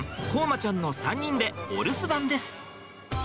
凰真ちゃんの３人でお留守番です。